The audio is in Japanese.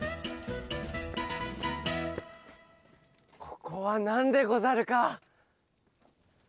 ここはなんでござるか？